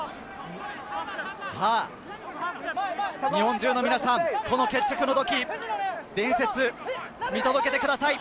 日本中の皆さん、この決着の時、伝説を見届けてください。